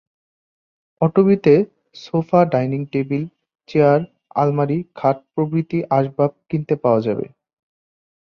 অটবিতে sofa, dining table, chair, আলমারি, খাট প্রভৃতি আসবাব কিনতে পাওয়া যাবে।